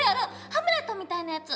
「ハムレット」みたいなやつ。